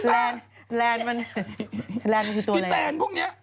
แรนแรนมันแรนมันคือตัวอะไรอีแตนพวกนี้